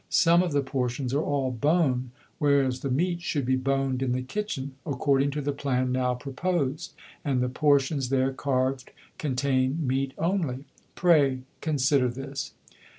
Some of the portions are all bone, whereas the meat should be boned in the kitchen, according to the plan now proposed, and the portions there carved contain meat only. Pray consider this.